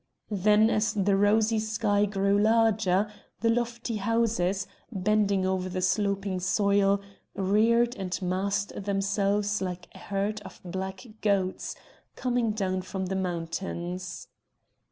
Then as the rosy sky grew larger, the lofty houses, bending over the sloping soil, reared and massed themselves like a herd of black goats coming down from the mountains.